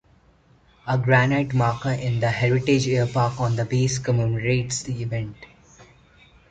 A granite marker in the Heritage Airpark on the base commemorates the event.